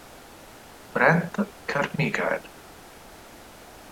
Brent Carmichael